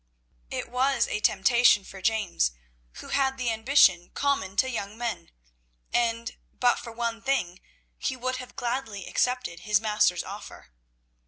It was a temptation for James, who had the ambition common to young men, and, but for one thing, he would have gladly accepted his master's offer.